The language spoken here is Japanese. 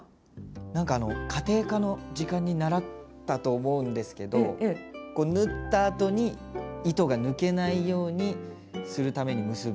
何かあの家庭科の時間に習ったと思うんですけどこう縫ったあとに糸が抜けないようにするために結ぶ。